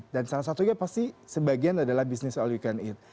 dan salah satunya pasti sebagian adalah bisnis all you can eat